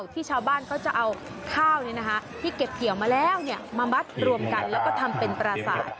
ที่เก็บเกี่ยวมาแล้วเนี่ยมาบัดรวมกันแล้วก็ทำเป็นปราสาท